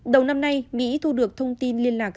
đầu năm nay mỹ thu được thông tin liên lạc